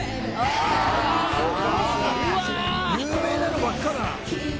有名なのばっかだな。